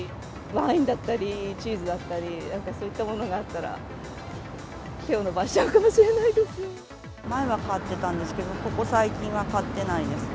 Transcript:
ワインだったり、チーズだったり、なんかそういったものがあったら、手を伸ばしちゃうかもしれないで前は買ってたんですけど、ここ最近は買ってないです。